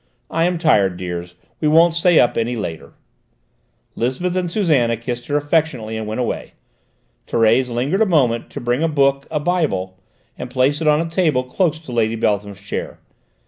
"I am tired, dears; we won't stay up any later." Lisbeth and Susannah kissed her affectionately and went away. Thérèse lingered a moment, to bring a book, a Bible, and place it on a table close to Lady Beltham's chair.